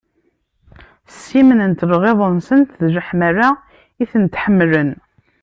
Ssimnent lɣiḍ-nsent d leḥmala i tent-ḥemmlen.